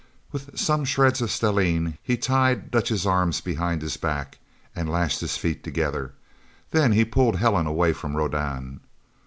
With some shreds of stellene, he tied Dutch's arms behind his back, and lashed his feet together. Then he pulled Helen away from Rodan.